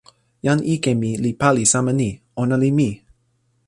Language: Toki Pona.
jan ike mi li pali sama ni: ona li mi.